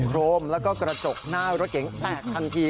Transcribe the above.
โรมแล้วก็กระจกหน้ารถเก๋งแตกทันที